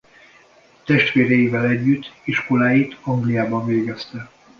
Testvéreivel együtt iskoláit Angliában végezte.